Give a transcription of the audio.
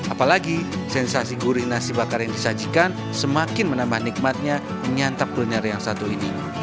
apalagi sensasi gurih nasi bakar yang disajikan semakin menambah nikmatnya menyantap kuliner yang satu ini